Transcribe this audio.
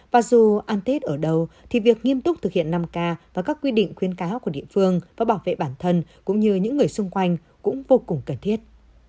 và dù ăn tết ở đâu thì việc nghiêm túc thực hiện năm k và các quy định khuyến cáo của địa phương và bảo vệ bản thân cũng như những người xung quanh cũng vô cùng cần thiết